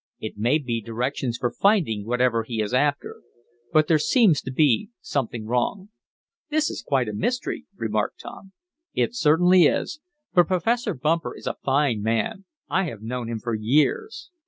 It may be directions for finding whatever he is after. But there seems to be something wrong." "This is quite a mystery," remarked Tom. "It certainly is. But Professor Bumper is a fine man. I have known him for years."